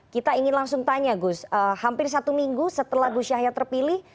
kita ingin langsung tanya gus hampir satu minggu setelah gus yahya terpilih